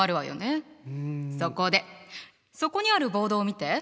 そこでそこにあるボードを見て。